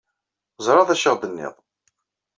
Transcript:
Ẓriɣ d acu i aɣ-d-tenniḍ.